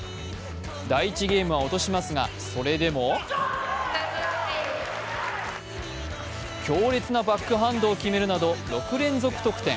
第１ゲームは落としますが、それでも強烈なバックハンドを決めるなど６連続特典。